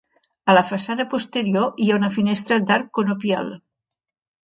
A la façana posterior hi ha una finestra d'arc conopial.